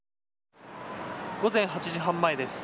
午前８時半前です。